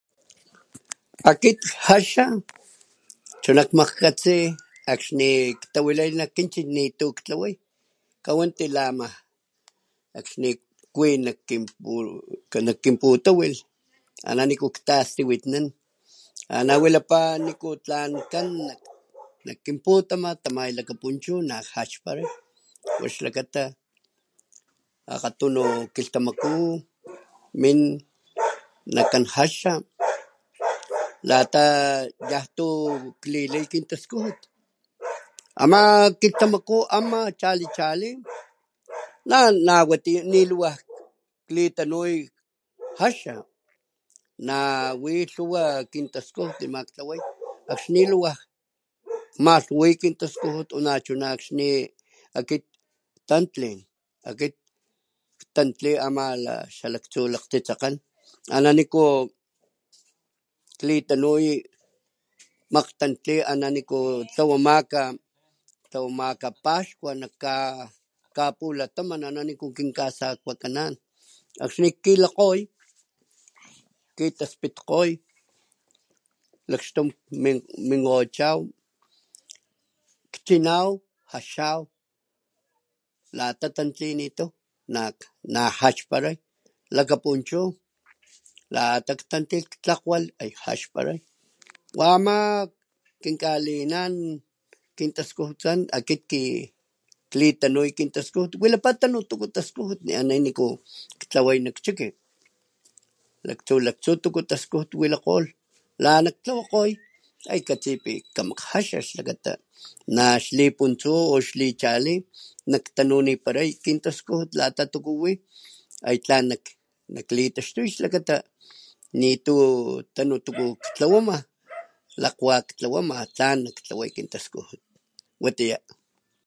Akit jaxa chuna kmajkgatsi akxni ktawilay nak kinchiy nitu ktlaway kawanti la ama akxni kwi nak kinputawilh ana niku ktastiwitnan, ana wilapa ana niku tlan kan nak kinputama tamay lakapunchu nak jaxparay, wa xlakata akgatunu kilhtamakú min nakan jaxa lata yantu klilay kintaskujut ama kilhtamakú ama chali chali na watiya ni klitanuy kaxa nawi lhuwa kintaskujut nema ktlaway akxni nilawaj más wi kintaskujut nachuna akxni akit tantli akit tantli lata ama xalaktsu lakgtsitsekgan ana niku klitanuy makgtantli ana niku tlawamaka tlawamaka paxkua nak kapulataman ana niku kinkasakuakanan akxni kilakgoy ,kitaspitkgoy lakxtun minkgochaw kchinaw, jaxaw lata tantlinitaw najaxparay lakapunchu lata ktantli ktlakgwalh uyu jaxparay wa ama kinkalinan kintaskujutkan akit klitanuy kintaskujut wilapa tanu taskujut ne anay tlaway nak chiki laktsu lajtsu tuku taskujut walakgolh la ana ktlawakgoy katsi pi kama jaxa xlakata naxlipuntsu o xli chali naktanuniparay kintaskujut lata tuku wi ay tlan nak klitaxtu xlakata nitu tuku tanu tlawama lakg wakg tlawa akit lak tlan tlawa akit taskujut watiya.